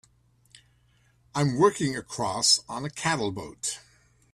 I'm working across on a cattle boat.